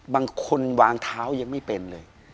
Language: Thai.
บางคนวางเท้ายังไม่เป็นเลย